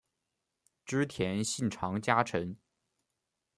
织田信长家臣。